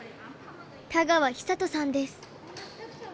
田川尚登さんです。